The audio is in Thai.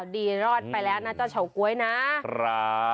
ดีรอดไปแล้วนะเจ้าชาวก๊วยนะ